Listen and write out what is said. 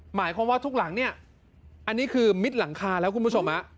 หมายความว่าทุกหลังเนี่ยอันนี้คือมิดหลังคาแล้วคุณผู้ชม